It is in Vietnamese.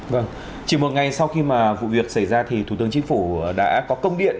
vâng chỉ một ngày sau khi mà vụ việc xảy ra thì thủ tướng chính phủ đã có công điện